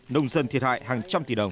nông dân thiệt hại hàng trăm tỷ đồng